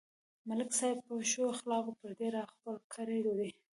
ملک صاحب په ښو اخلاقو پردي راخپل کړي دي.